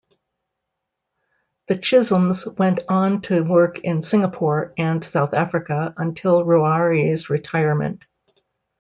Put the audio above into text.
The Chisholms went on to work in Singapore and South Africa until Ruari's retirement.